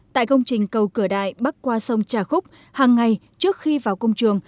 tại công trình cầu cửa đại bắc qua sông trà khúc hàng ngày trước khi vào công trường